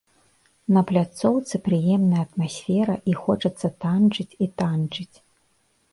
На пляцоўцы прыемная атмасфера і хочацца танчыць і танчыць.